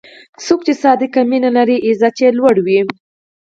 څوک چې صادق مینه لري، عزت یې لوړ وي.